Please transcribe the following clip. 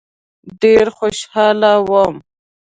ډېر خوشاله وم.